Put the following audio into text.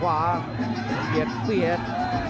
ล้างเบียดเบียด